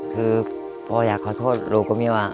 คือพ่ออยากขอโทษลูกกับเมียว่า